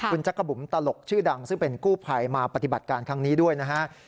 คุณจักรบุ๋มตลกชื่อดังซึ่งเป็นกู้ภัยมาปฏิบัติการครั้งนี้ด้วยนะฮะ